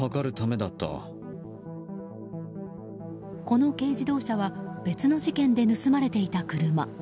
この軽自動車は別の事件で盗まれていた車。